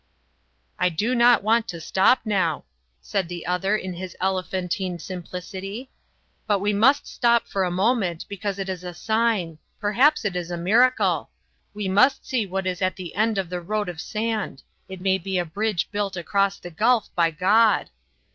"I do not want to stop now," said the other, in his elephantine simplicity, "but we must stop for a moment, because it is a sign perhaps it is a miracle. We must see what is at the end of the road of sand; it may be a bridge built across the gulf by God."